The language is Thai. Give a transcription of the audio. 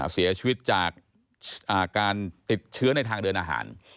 เสียชีวิตจากการติดเชื้อในทางเดินอาหาร